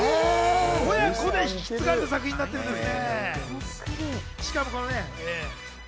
親子で引き継がれた作品になっているんですね。